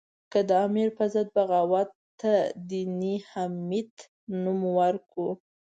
که د امیر په ضد بغاوت ته دیني حمیت نوم ورکړو.